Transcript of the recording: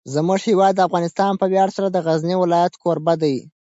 زموږ هیواد افغانستان په ویاړ سره د غزني ولایت کوربه دی.